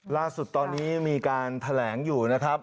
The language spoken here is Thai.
ล่าสุดตอนนี้มีการแถลงอยู่นะครับ